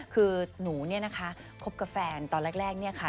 คือหนูเนี่ยนะคะคบกับแฟนตอนแรกเนี่ยค่ะ